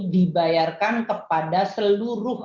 dibayarkan kepada seluruh